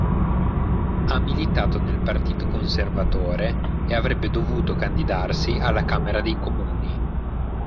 Ha militato nel Partito Conservatore e avrebbe dovuto candidarsi alla Camera dei comuni.